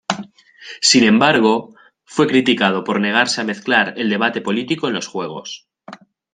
Sin embargo, fue criticado por negarse a mezclar el debate político en los Juegos.